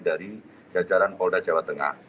dari jajaran polda jawa tengah